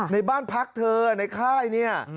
ในบ้านพักเธอในค่ายเนี่ย